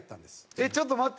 えっちょっと待って。